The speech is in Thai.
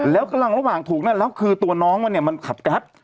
แล้วกำลังระหว่างถูกนั่นแล้วคือตัวน้องมันเนี่ยมันขับแก๊ส